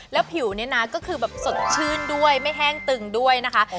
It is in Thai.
แล้วผิวเนี่ยนะก็คือแบบสดชื่นด้วยไม่แห้งตึงด้วยนะคะ